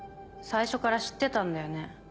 最初から知ってたんだよね？